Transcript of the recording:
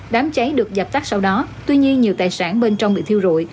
đám cháy được dập tắt sau đó tuy nhiên nhiều tài sản bên trong bị thiêu rụi